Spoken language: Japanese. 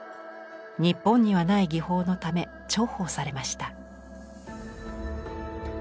日本にはない技法のため重宝されました。